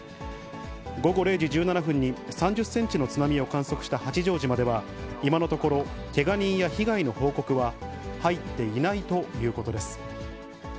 午後０時１７分に３０センチの津波を観測した八丈島では、今のところ、けが人や被害の報告は入っていないということです。